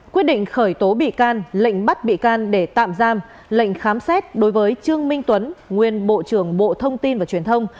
quyết định khởi tố bị can lệnh bắt bị can để tạm giam lệnh khám xét đối với trương minh tuấn nguyên bộ trưởng bộ thông tin và truyền thông